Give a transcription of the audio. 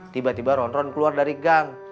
tiba tiba ronron keluar dari gang